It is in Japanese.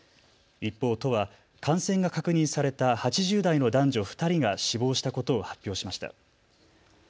一方、都は感染が確認された８０代の男女２人が死亡したことを発表しました。